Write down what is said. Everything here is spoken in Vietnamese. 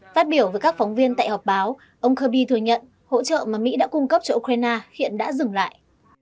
phát biểu với các phóng viên tại họp báo ông kirby thừa nhận hỗ trợ mà mỹ đã cung cấp cho ukraine hiện đã dừng lại